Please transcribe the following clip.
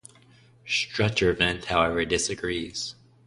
Sturtevant, however, disagrees.